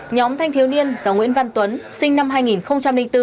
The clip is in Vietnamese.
nhóm thanh thiếu niên do nguyễn văn tuấn sinh năm hai nghìn bốn